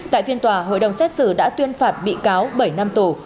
trên tòa hội đồng xét xử đã tuyên phạt bị cáo bảy năm tù